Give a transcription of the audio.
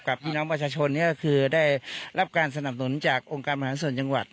พี่น้องประชาชนได้รับการสนับสนุนจากองค์การบริหารส่วนจังหวัด